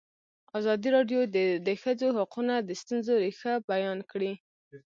ازادي راډیو د د ښځو حقونه د ستونزو رېښه بیان کړې.